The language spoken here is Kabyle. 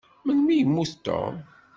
Melmi i yemmut Tom?